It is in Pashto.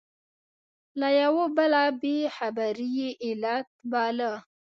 له یوه بله بې خبري یې علت باله.